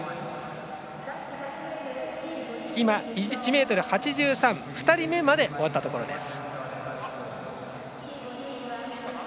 １ｍ８３２人目まで終わったところです。